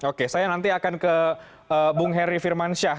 oke saya nanti akan ke bung heri firmansyah